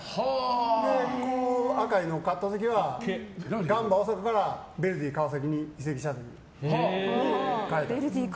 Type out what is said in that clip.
赤いのを買った時はガンバ大阪からベルディ川崎に移籍した時に変えた。